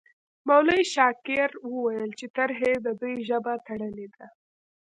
مولوي شاکر وویل چې ترهې د دوی ژبه تړلې ده.